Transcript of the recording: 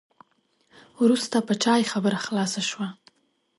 وروسته په چای خبره خلاصه شوه.